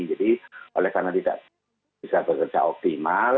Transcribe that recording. jadi oleh karena tidak bisa bekerja optimal